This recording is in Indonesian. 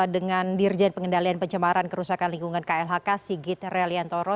dengan dirjen pengendalian pencemaran kerusakan lingkungan klhk sigit reliantoro